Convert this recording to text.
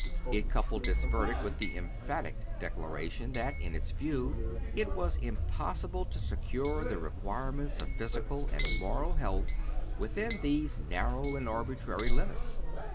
It coupled its verdict with the emphatic declaration that, in its view, it was "im possible to secure the requirements of physical and moral liealth within tiiese narrow and arbitrary limits."